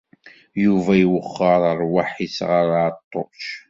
Yuba iwexxer ṛṛwaḥ-is ɣer Ɛeṭṭuc.